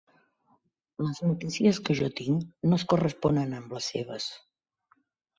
Les notícies que jo tinc no es corresponen amb les seves.